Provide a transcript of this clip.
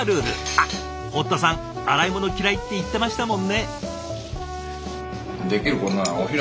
あっ堀田さん洗い物嫌いって言ってましたもんね。